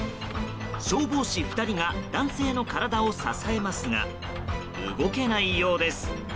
消防士２人が男性の体を支えますが動けないようです。